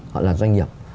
họ là doanh nghiệp